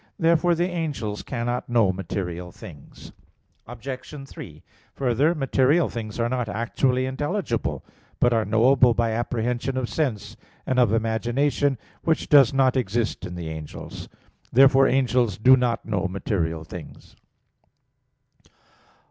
Therefore the angels cannot know material things. Obj. 3: Further, material things are not actually intelligible, but are knowable by apprehension of sense and of imagination, which does not exist in angels. Therefore angels do not know material things.